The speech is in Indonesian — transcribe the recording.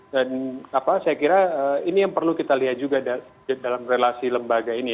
dan saya kira ini yang perlu kita lihat juga dalam relasi lembaga ini